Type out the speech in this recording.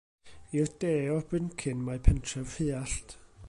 I'r de o'r bryncyn mae pentref Rhuallt.